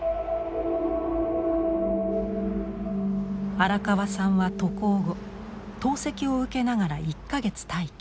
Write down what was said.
荒川さんは渡航後透析を受けながら１か月待機。